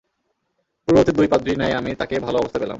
পূর্ববর্তী দুই পাদ্রীর ন্যায় আমি তাকে ভাল অবস্থায় পেলাম।